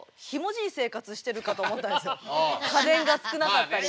家電が少なかったりね。